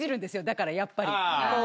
だからやっぱり。